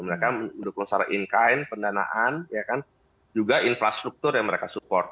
mereka mendukung secara inkine pendanaan juga infrastruktur yang mereka support